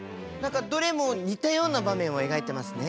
どれも似たような場面を描いてますね。